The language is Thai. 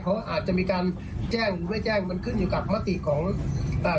เพราะอาจจะมีการแจ้งหรือไม่แจ้งมันขึ้นอยู่กับมติของอ่า